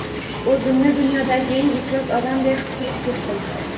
O‘zimni dunyodagi eng iflos odamday his qilib ketdim...